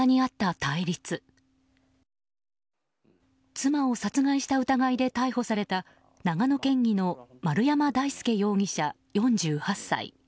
妻を殺害した疑いで逮捕された長野県議の丸山大輔容疑者、４８歳。